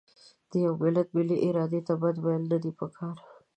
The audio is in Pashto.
د یوه ملت ملي ارادې ته بد ویل نه دي پکار.